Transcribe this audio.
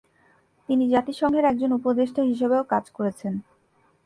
তিনি জাতিসংঘের একজন উপদেষ্টা হিসেবেও কাজ করেছেন।